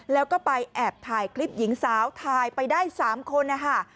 แล้วก็ไปแอบถ่ายคลิปหญิงสาวถ่ายไปได้๓คนนะคะ